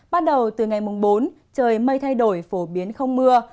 bắt đầu từ ngày mùng bốn trời mây thay đổi phổ biến không mưa